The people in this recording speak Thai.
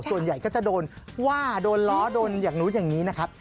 ส่วนใหญ่ก็จะโดนว่าโดนล้อโดนอย่างนู้นอย่างนี้นะครับ